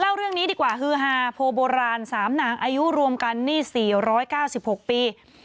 เล่าเรื่องนี้ดีกว่าฮือฮาโพโบราณ๓นางอายุรวมกันนี่๔๙๖ปี